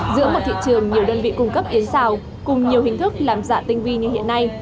giữa một thị trường nhiều đơn vị cung cấp yến xào cùng nhiều hình thức làm giả tinh vi như hiện nay